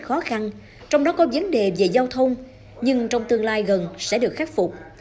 khó khăn trong đó có vấn đề về giao thông nhưng trong tương lai gần sẽ được khắc phục